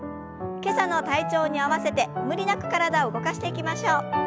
今朝の体調に合わせて無理なく体を動かしていきましょう。